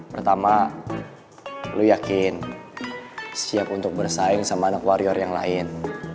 pertama lu yakin siap untuk bersaing sama anak warrior yang lain